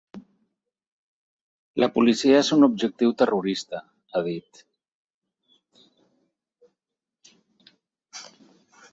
La policia és un objectiu terrorista, ha dit.